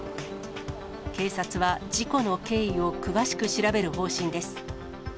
警察は、事故の経緯を詳しく調べる方針です。